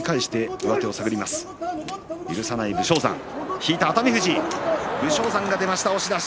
引いた熱海富士武将山が出ました、押し出し。